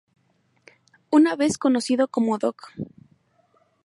Una vez conocido como Doc.